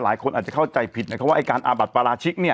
หลายคนอาจจะเข้าใจผิดนะครับว่าไอ้การอาบัดปราชิกเนี่ย